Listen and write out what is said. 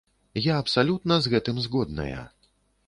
Я абсалютна з гэтым згодная.